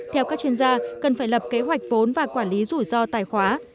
theo các chuyên gia cần phải lập kế hoạch vốn và quản lý rủi ro tài khóa